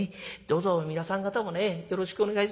どうぞ皆さん方もねよろしくお願い。